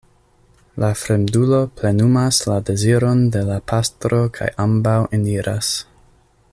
La fremdulo plenumas la deziron de la pastro kaj ambaŭ eniras.